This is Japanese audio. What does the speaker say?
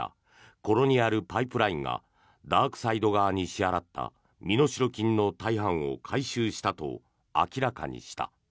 コロニアルパイプラインがダークサイド側に支払った身代金の大半を回収したと明らかにした。